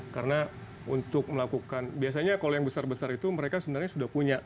karena untuk melakukan biasanya kalau yang besar besar itu mereka sebenarnya sudah punya